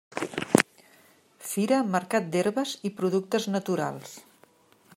Fira Mercat d'Herbes i Productes Naturals.